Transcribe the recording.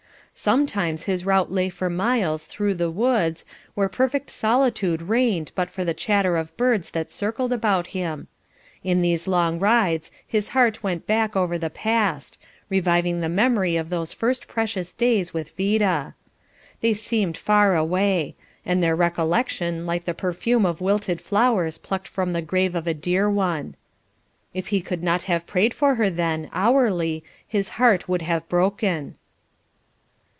Sometimes his route lay for miles through the woods, where perfect solitude reigned but for the chatter of birds that circled about him. In these long rides his heart went back over the past, reviving the memory of those first precious days with Vida. They seemed far away, and their recollection, like the perfume of wilted flowers plucked from the grave of a dear one. If he could not have prayed for her then, hourly, his heart would have broken.